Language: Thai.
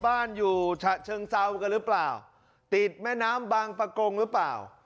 บ้านอยู่ฉะเชิงเซากันหรือเปล่าติดแม่น้ำบางประกงหรือเปล่า